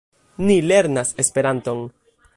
Ni lernas Esperanton.